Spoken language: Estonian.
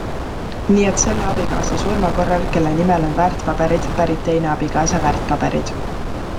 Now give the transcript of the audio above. Nii et selle abikaasa surma korral, kelle nimel on väärtpaberid, pärib teine abikaasa väärtpaberid.